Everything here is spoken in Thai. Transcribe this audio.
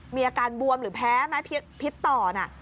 มีอาการบวมหรือแพ้ไหมพิษต่อน่ะ